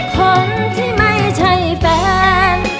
คนที่ไม่ใช่แฟน